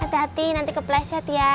hati hati nanti kepleset ya